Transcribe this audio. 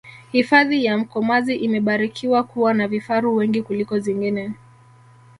hifadhi ya mkomazi imebarikiwa kuwa na vifaru wengi kuliko zingine